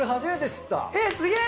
すげえ！